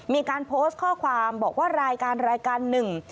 มีการโพสต์ข้อความบอกว่ารายการรายการหนึ่ง